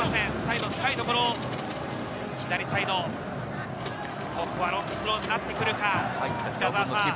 サイド、深いところ、左サイド、ロングスローになってくるか？